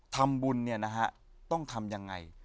ทำบุญเนี่ยนะฮะต้องทำยังไง